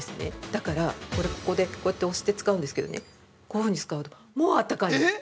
だから、これここでこうやって押して使うんですけど、こういうふうに使うと、もうあったかいの。